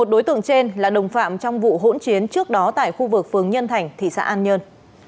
một đối tượng trên là đồng phạm trong vụ hỗn chiến trước đó tại khu vực phường nhân thành thị xã an nhơn